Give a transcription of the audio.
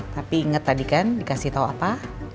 tapi inget tadi kan dikasih tau apa